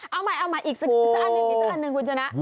เอาใหม่อีกสักอันหนึ่งคุณชนะ